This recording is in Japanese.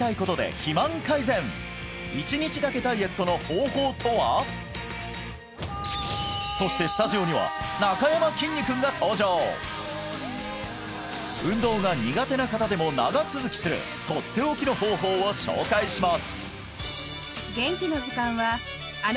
背筋をそしてスタジオには運動が苦手な方でも長続きするとっておきの方法を紹介します！